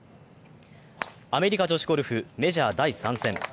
アメリカ女子ゴルフ、メジャー第３戦。